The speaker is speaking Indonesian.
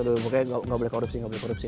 pokoknya gak boleh korupsi gak boleh korupsi